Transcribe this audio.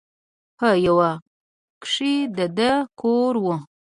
په يوه کښې د ده کور و.